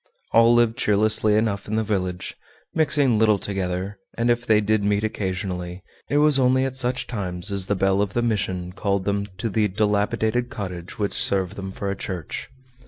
All lived cheerlessly enough in the village, mixing little together, and if they did meet occasionally, it was only at such times as the bell of the mission called them to the dilapidated cottage which served them for a church.